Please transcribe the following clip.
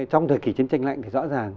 trong thời kỳ chiến tranh lạnh thì rõ ràng